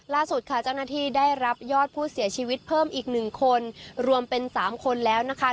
ล่าสุดค่ะเจ้าหน้าที่ได้รับยอดผู้เสียชีวิตเพิ่มอีกหนึ่งคนรวมเป็น๓คนแล้วนะคะ